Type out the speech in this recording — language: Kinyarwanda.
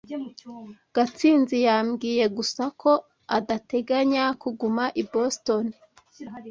Gatsinzi yambwiye gusa ko adateganya kuguma i Boston.